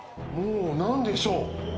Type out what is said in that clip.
もう何でしょう。